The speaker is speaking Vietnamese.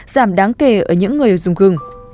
giảm đáng kể ở những người dùng gừng